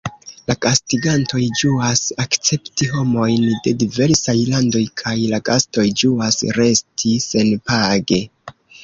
La gastigantoj ĝuas akcepti homojn de diversaj landoj, kaj la gastoj ĝuas resti senpage.